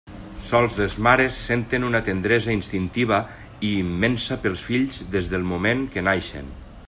Sols les mares senten una tendresa instintiva i immensa pels fills des del moment que naixen.